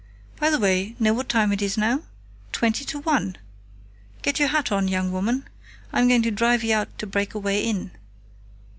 By the way, know what time it is now?... Twenty to one! Get your hat on, young woman. I'm going to drive you out to Breakaway Inn."